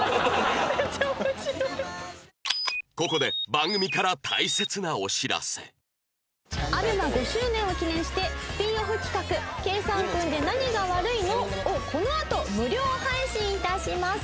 ここで ＡＢＥＭＡ５ 周年を記念してスピンオフ企画『計算くんで何が悪いの？』をこのあと無料配信致します。